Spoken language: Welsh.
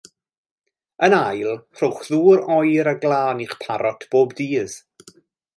Yn ail rhowch ddŵr oer a glân i'ch parot bob dydd.